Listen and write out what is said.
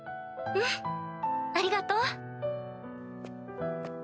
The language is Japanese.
うんありがとう。